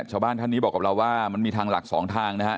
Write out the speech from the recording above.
ชาวบ้านท่านนี้บอกกับเราว่ามันมีทางหลักสองทางนะฮะ